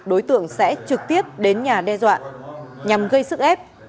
đối tượng sẽ trực tiếp đến nhà đe dọa nhằm gây sức ép